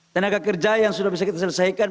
tenaga kerja yang sudah bisa kita selesaikan